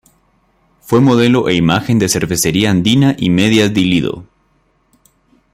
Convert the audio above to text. Fue modelo e imagen de Cervecería Andina y Medias Di Lido.